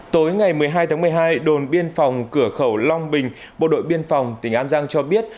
tối ngày một mươi hai tháng một mươi hai đồn biên phòng cửa khẩu long bình bộ đội biên phòng tỉnh an giang cho biết